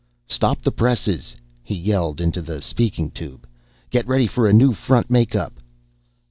"Stop the presses!" he yelled into the speaking tube. "Get ready for a new front make up!"